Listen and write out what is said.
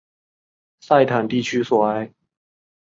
塞坦地区索埃。